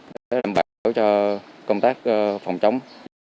để đảm bảo cho công tác phòng chống